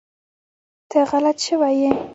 ته غلط شوی ېي